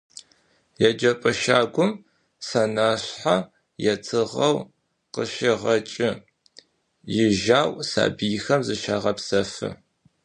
Yêcep'e şagum senaşshe etığeu khışêğeç'ı, yijau sabıyxem zışağepsefı.